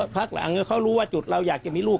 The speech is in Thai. พักหลังเขารู้ว่าจุดเราอยากจะมีลูก